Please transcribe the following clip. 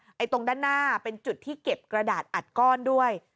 ไอ้ตรงด้านหน้าเป็นจุดที่เก็บกระดาษอัดก้อนด้วย